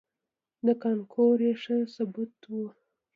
دا کانکور یې ښه ثبوت و.